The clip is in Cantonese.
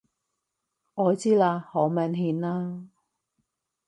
我知啦！好明顯啦！